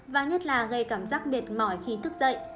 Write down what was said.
và nhất là gây cảm giác mệt mỏi khi thức dậy